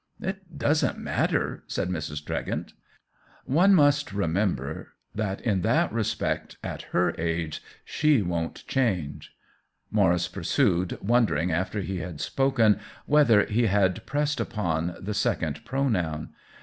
" It doesn't matter," said Mrs. Tregent. " One must remember that in that respect, at her age, she won't change," Maurice pur sued, wondering after he had spoken whether he had pressed upon the second pronoun.